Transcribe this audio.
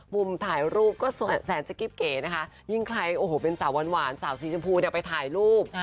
มุมถ่ายรูปก็น่าจะล้มเก๋ยิ่งเป็นใครสาวสาวสีชมพูไปถ่ายรูป